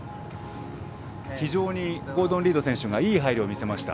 非常にゴードン・リード選手がいい入りを見せました。